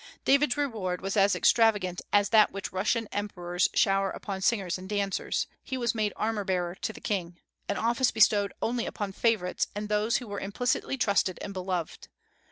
David's reward was as extravagant as that which Russian emperors shower upon singers and dancers: he was made armor bearer to the King, an office bestowed only upon favorites and those who were implicitly trusted and beloved.